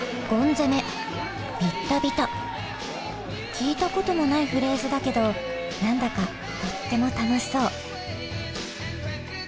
聞いたこともないフレーズだけど何だかとっても楽しそう。